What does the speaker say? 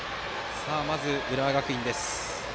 まず、浦和学院です。